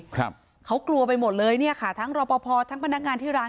ครับเขากลัวไปหมดเลยเนี่ยค่ะทั้งรอปภทั้งพนักงานที่ร้าน